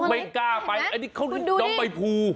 ไม่กล้าไปน้องไปพู